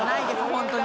本当に。